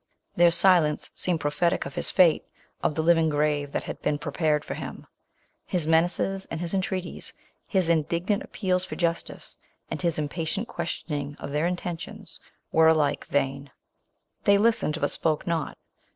Their silence seemed prophetic of his fate, of the living grave that had boen pro pared for him. His menaces awl his entreaties, his indignant appeals for justice, and hi* impatient question ing of their intentions, were alike .1 830.] The Iron Shroud. 865 vain. They listened, but sp.oke not.